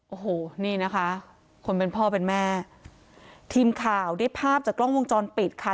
โอ้โหนี่นะคะคนเป็นพ่อเป็นแม่ทีมข่าวได้ภาพจากกล้องวงจรปิดค่ะ